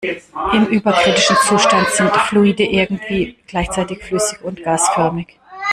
Im überkritischen Zustand sind Fluide irgendwie gleichzeitig flüssig und gasförmig.